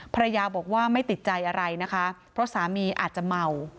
ภรรยาบอกว่าไม่ติดใจอะไรนะคะเพราะสามีอาจจะเมา